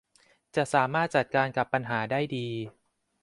จะสามารถจัดการกับปัญหาได้ดี